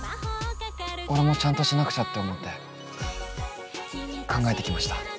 俺もちゃんとしなくちゃって思って考えてきました。